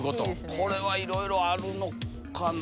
これはいろいろあるのかな。